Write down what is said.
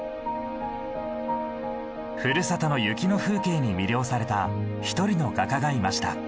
ふるさとの雪の風景に魅了された一人の画家がいました。